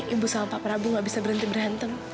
ibu sama pak prabu gak bisa berhenti berhentem